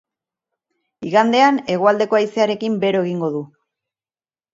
Igandean, hegoaldeko haizearekin bero egingo du.